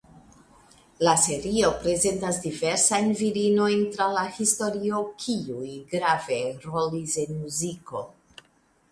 La serio prezentas diversajn virinojn tra la historio kiuj grave rolis en muziko.